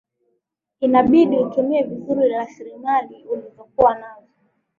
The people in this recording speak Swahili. inabidi utumie vizuri rasilimali ulizokuwa nazo